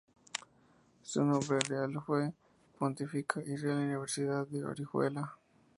Su nombre real fue "Pontificia y Real Universidad de Orihuela".